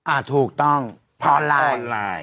อ่าถูกต้องออนไลน์